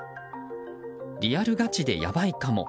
「リアルガチやばいかも！？